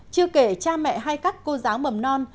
chưa kể cha mẹ hay các cô giáo mầm non